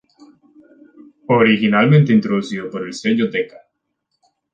Originalmente introducido por el sello Decca.